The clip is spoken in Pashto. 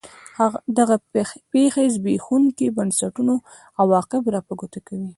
دغه پېښې زبېښونکو بنسټونو عواقب را په ګوته کوي.